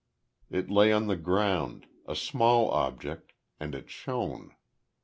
It lay on the ground a small object and it shone.